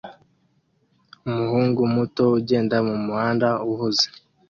umuhungu muto ugenda mumuhanda uhuze